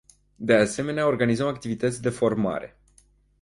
De asemenea, organizăm activități de formare.